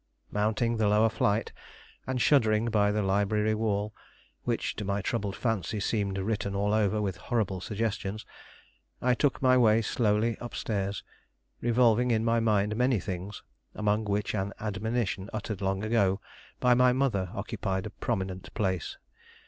Mounting the lower flight, and shuddering by the library wall, which to my troubled fancy seemed written all over with horrible suggestions, I took my way slowly up stairs, revolving in my mind many things, among which an admonition uttered long ago by my mother occupied a prominent place.